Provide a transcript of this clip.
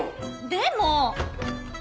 でも！